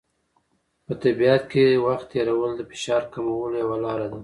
په طبیعت کې وخت تېرول د فشار کمولو یوه لاره ده.